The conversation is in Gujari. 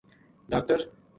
ڈاکٹر